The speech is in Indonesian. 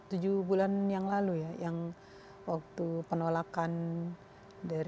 hai tujuh tujuh bulan yang lalu ya yang waktu penolakan dari